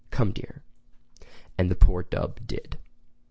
Come, dear!" And the poor dub did.